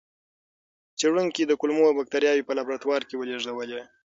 څېړونکي د کولمو بکتریاوې په لابراتوار کې ولېږدولې.